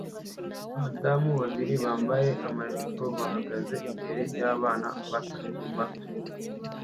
Abadamu babiri bambaye amajipo bahagaze imbere yabana batatu bato